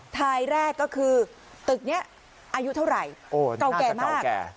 ทายแรกก็คือตึกนี้อายุเท่าไหร่เก่าแก่มาก